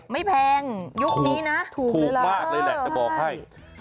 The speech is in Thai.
แพงยุคนี้นะถูกมากเลยแหละจะบอกให้